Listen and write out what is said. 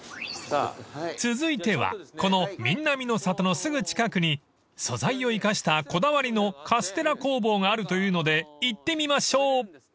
［続いてはこのみんなみの里のすぐ近くに素材を生かしたこだわりのカステラ工房があるというので行ってみましょう］